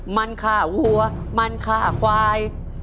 มันฆ่าวัวมันฆ่าควาย